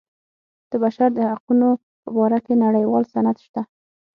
د بشر د حقونو په باره کې نړیوال سند شته.